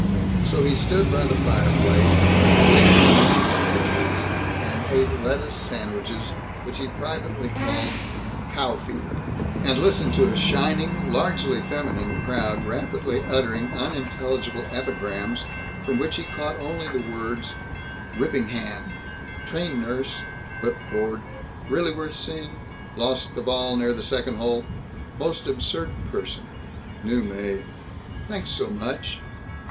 So he stood by the fireplace safe on one side at least and ate lettuce sandwiches, which he privately called "cow feed," and listened to a shining, largely feminine crowd rapidly uttering unintelligible epigrams from which he caught only the words, "Ripping hand trained nurse whipcord really worth seeing lost the ball near the second hole most absurd person new maid thanks so much."